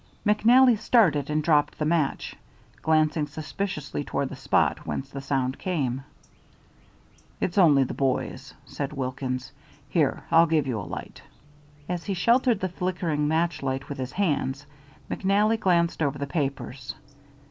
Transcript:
McNally started and dropped the match, glancing suspiciously toward the spot whence the sound came. "It's only the boys," said Wilkins. "Here, I'll give you a light." As he sheltered the flickering match light with his hands, McNally glanced over the papers.